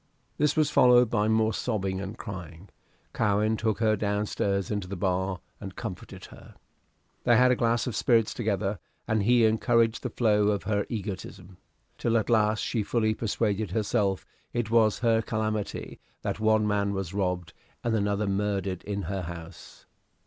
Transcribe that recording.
This was followed by more sobbing and crying. Cowen took her down stairs into the bar, and comforted her. They had a glass of spirits together, and he encouraged the flow of her egotism, till at last she fully persuaded herself it was her calamity that one man was robbed and another murdered in her house.